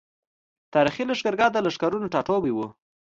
تاريخي لښکرګاه د لښکرونو ټاټوبی وو۔